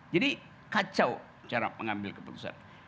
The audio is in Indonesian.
jadi kacau cara mengambil keputusan